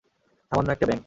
সামান্য একটা ব্যাঙ।